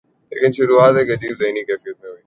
لیکن شروعات ایک عجیب ذہنی کیفیت میں ہوئی۔